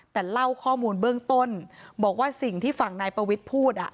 แต่เล่าข้อมูลเบื้องต้นบอกว่าสิ่งที่ฝั่งนายประวิทย์พูด